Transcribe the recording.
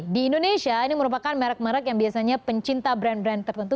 di indonesia ini merupakan merek merek yang biasanya pencinta brand brand tertentu